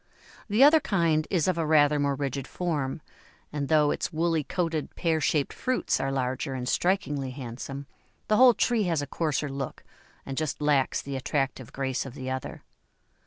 The other kind is of a rather more rigid form, and though its woolly coated, pear shaped fruits are larger and strikingly handsome, the whole tree has a coarser look, and just lacks the attractive grace of the other.